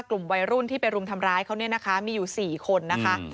กลุ่มวัยรุ่นที่ไปรุ่มทำร้ายเขามีอยู่๔คนนะคะ